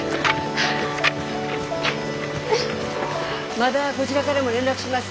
まだこちらがらも連絡します。